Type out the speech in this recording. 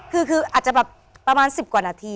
คืออาจจะแบบประมาณ๑๐กว่านาที